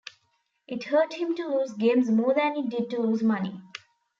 It hurt him to lose games more than it did to lose money.